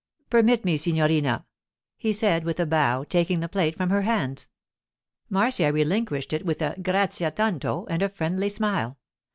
'Permit me, signorina,' he said with a bow, taking the plate from her hands. Marcia relinquished it with a 'Grazia tanto' and a friendly smile.